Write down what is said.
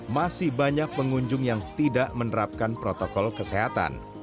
masih banyak pengunjung yang tidak menerapkan protokol kesehatan